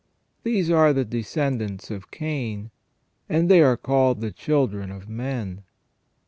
These are the descendants of Cain, and they are called the children of men.